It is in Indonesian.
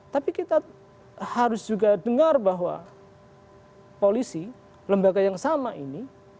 tapi kita harus juga dengar bahwa polisi lembaga yang sama ini